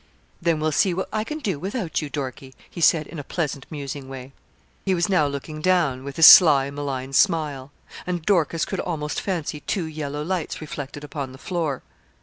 'Then we'll see what I can do without you, Dorkie,' he said in a pleasant, musing way. He was now looking down, with his sly, malign smile; and Dorcas could almost fancy two yellow lights reflected upon the floor.